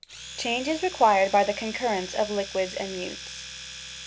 Chajs^ges eequieed by the Conoueeence of Liquids and Mutes.